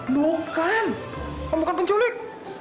bukan kamu bukan penculik